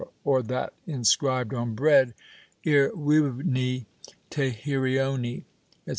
or that inscribed on bread Irivni Teherioni etc.